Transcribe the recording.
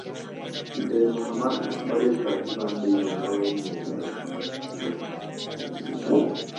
خیر محمد په خپلې صافې باندې یو نوی موټر پاک کړ.